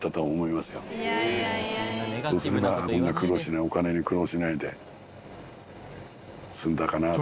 そうすればこんな苦労しないお金に苦労しないで済んだかなと思うね。